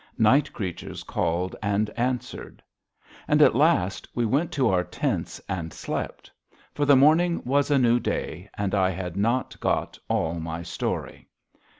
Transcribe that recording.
Night creatures called and answered. And, at last, we went to our tents and slept. For the morning was a new day, and I had not got all my story.